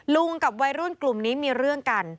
กับวัยรุ่นกลุ่มนี้มีเรื่องกัน